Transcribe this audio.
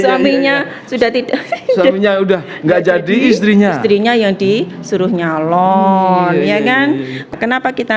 suaminya sudah tidak sudah nggak jadi istrinya dirinya yang disuruhnya lon ya kan kenapa kita